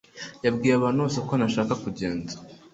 yabwiye abantu bose ko ntashaka kugenda.